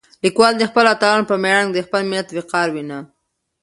لیکوال د خپلو اتلانو په مېړانه کې د خپل ملت وقار وینه.